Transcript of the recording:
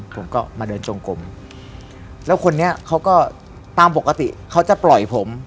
ผมก็มาเดินจงกลมแล้วคนนี้เขาก็ตามปกติเขาจะปล่อยผม